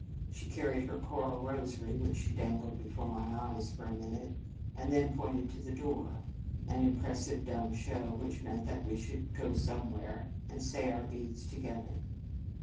She carried her coral ros ary, which she dangled before my eyes for a minute, and then pointed to the door, an impressive dumb show which meant that we should go some where, and say our beads together.